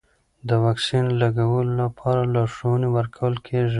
د واکسین لګولو لپاره لارښوونې ورکول کېږي.